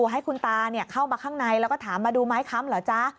ให้คุณตาเข้ามาข้างในแล้วก็ถามมาดูไม้ค้ำเหรอจ๊ะ